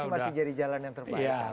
itu masih jadi jalan yang terbaik